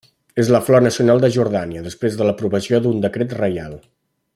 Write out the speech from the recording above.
És la flor nacional de Jordània després de l'aprovació d'un decret reial.